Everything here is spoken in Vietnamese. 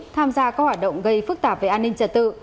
tham gia các hoạt động gây phức tạp về an ninh trật tự